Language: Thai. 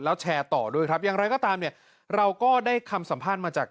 แล้วแชร์ต่อด้วยครับอย่างไรก็ตามเนี่ยเราก็ได้คำสัมภาษณ์มาจาก